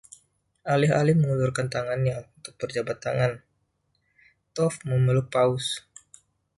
Alih-alih mengulurkan tangannya untuk berjabat tangan, Toaff memeluk Paus.